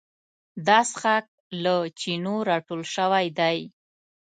دا څښاک له چینو راټول شوی دی.